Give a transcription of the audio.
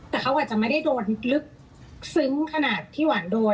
แต่เขาอาจจะไม่ได้โดนลึกซึ้งขนาดที่หวานโดน